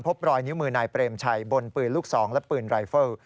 พบรอยนิ้วมือนายเปรมชัยบนปืนลูกสองและปืนรายเฟิล